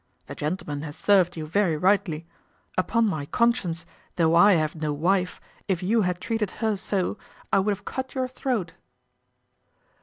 The gentleman has served you very rightly. Upon my conscience, though I have no wife, if you had treated her so, I would have cut your throat."